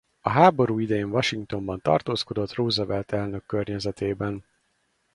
A háború idején Washingtonban tartózkodott Roosevelt elnök környezetében.